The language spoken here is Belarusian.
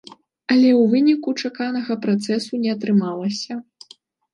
Але ў выніку чаканага працэсу не атрымалася.